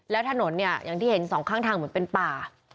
แล้วถนนเนี่ยอย่างที่เห็นสองข้างทางเหมือนเป็นป่า